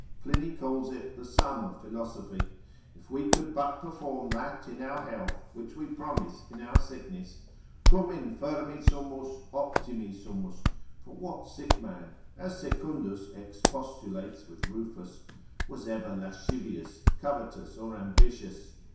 Pliny calls it, the sum of philosophy, If we could but perform that in our health, which we promise in our sickness. Quum infirmi sumus, optimi sumus; for what sick man (as Secundus expostulates with Rufus) was ever lascivious, covetous, or ambitious?